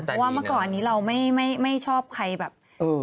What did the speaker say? เพราะเมื่อก่อนเราไม่ชอบใครทรงให้